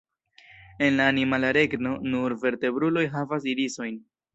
En la animala regno, nur vertebruloj havas irisojn.